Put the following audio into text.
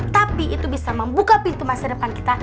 tapi itu bisa membuka pintu masa depan kita